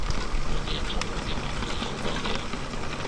我哋入中國嘅網絡易好多嘅